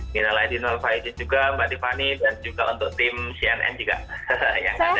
minal aydin wafai izin juga mbak tiffany dan juga untuk tim cnn juga